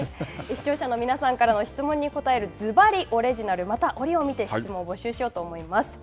視聴者の皆さんからの質問に答える「ズバリオレジナル」、また折を見て質問を募集しようと思います。